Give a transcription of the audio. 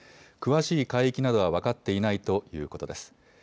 詳しい海域などは分かっていないということです。